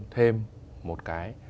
thêm một cái